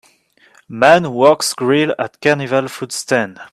Man works grill at carnival food stand.